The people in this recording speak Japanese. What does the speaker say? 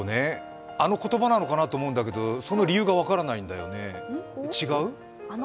あの言葉なのかなと思うんだけど、その理由が分からないんだよね。